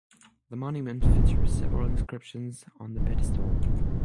The monument features several inscriptions on the pedestal.